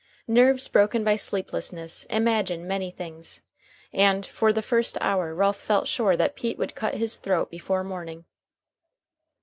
Nerves broken by sleeplessness imagine many things, and for the first hour Ralph felt sure that Pete would cut his throat before morning.